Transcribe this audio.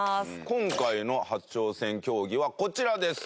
今回の初挑戦競技はこちらです。